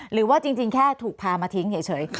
หรือว่าจริงแค่ถูกพามาทิ้งเฉย